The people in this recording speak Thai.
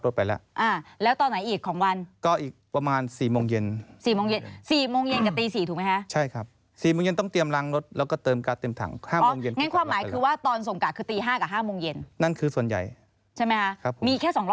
รถแท็กซี่เหมือนกันทุกสากรทุกขู่ทุกที่ไหม